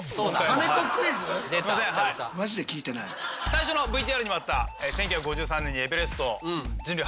最初のＶＴＲにもあった１９５３年にエベレスト人類